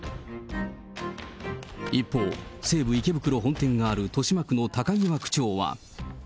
一方、西武池袋本店がある豊島区の高際区長は。